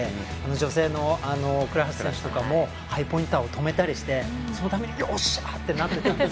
女性の倉橋選手もハイポインターを止めたりしてそのたびに、よっしゃ！って。